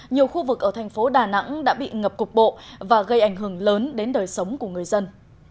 nhiều khu vực ở thành phố đà nẵng đã bị ngập cục bộ và gây ảnh hưởng lớn đến đời sống của người dân